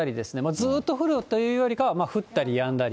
ずっと降るというよりかは、降ったりやんだり。